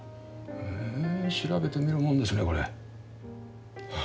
へえ調べてみるもんですねこれ。